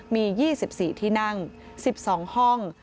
มี๒๔ที่นั่ง๑๒ห้อง